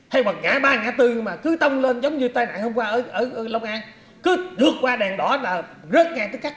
hay hoặc ngã ba ngã tư mà cứ tông lên giống như tai nạn hôm qua ở long an cứ rượt qua đèn đỏ là rớt ngang tới cắt